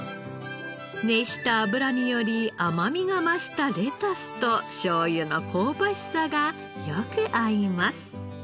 熱した油により甘みが増したレタスとしょうゆの香ばしさがよく合います。